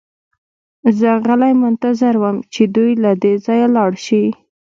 زه غلی منتظر وم چې دوی له دې ځایه لاړ شي